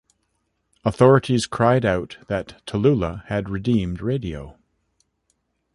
Authorities cried out that Tallulah had redeemed radio.